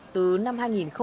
từ năm hai nghìn một mươi ba